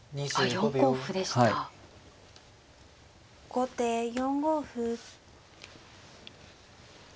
後手４五歩。